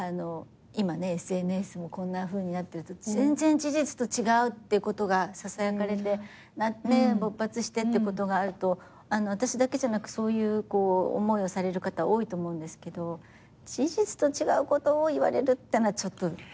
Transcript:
今ねＳＮＳもこんなふうになってると全然事実と違うっていうことがささやかれて勃発してってことがあると私だけじゃなくそういう思いをされる方多いと思うんですけど事実と違うことを言われるってのはちょっと。